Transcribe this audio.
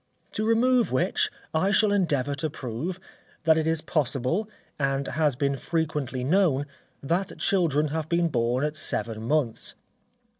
To remove which, I shall endeavour to prove, that it is possible, and has been frequently known, that children have been born at seven months.